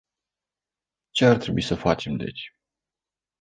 Ce ar trebui să facem deci?